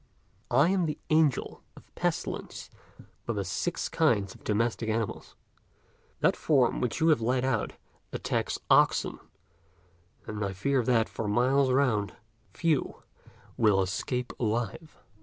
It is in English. I am the Angel of Pestilence for the six kinds of domestic animals. That form which you have let out attacks oxen, and I fear that, for miles round, few will escape alive."